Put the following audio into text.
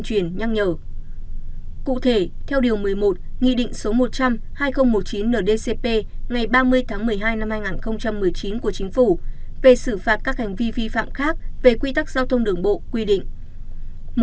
cụ thể theo điều một mươi một nghị định số một trăm linh hai nghìn một mươi chín ndcp ngày ba mươi tháng một mươi hai năm hai nghìn một mươi chín của chính phủ về xử phạt các hành vi vi phạm khác về quy tắc giao thông đường bộ quy định